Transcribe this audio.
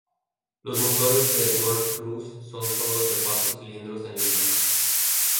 Los motores del Golf Plus son todos de cuatro cilindros en línea.